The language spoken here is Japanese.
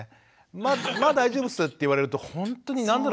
「まあ大丈夫っす」って言われるとほんとに何だろ